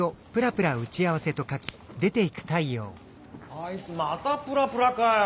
あいつまたプラプラかよ。